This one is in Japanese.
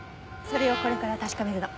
それをこれから確かめるの。